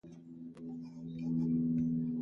It migrates mainly by day, often in large flocks.